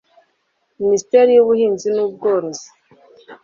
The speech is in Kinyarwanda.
minisiteri y'ubuhinzi n'ubworozi